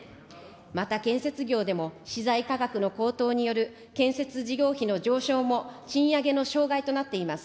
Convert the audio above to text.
また建設業でも、資材価格の高騰による建設事業費の上昇も賃上げの障害となっています。